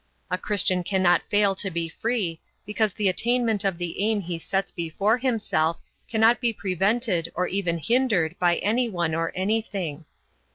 A Christian cannot fail to be free, because the attainment of the aim he sets before himself cannot be prevented or even hindered by anyone or anything.